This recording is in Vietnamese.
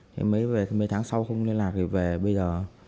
thế mấy tháng sau không liên lạc thì về bây giờ